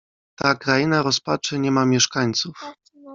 "Ta kraina rozpaczy nie ma mieszkańców."